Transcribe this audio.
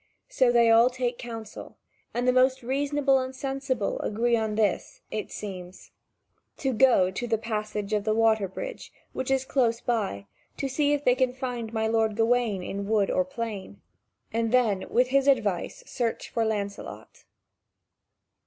So they all take counsel, and the most reasonable and sensible agree on this, it seems: to go to the passage of the water bridge, which is close by, to see if they can find my lord Gawain in wood or plain, and then with his advice search for Lancelot.